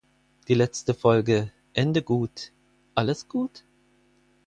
Die letzte Folge "Ende gut, alles gut?